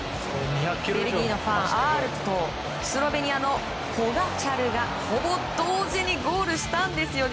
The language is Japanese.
ベルギーのファン・アールトとスロベニアのポガチャルが同時にゴールしたんです